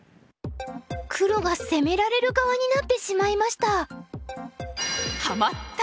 黒が攻められる側になってしまいました。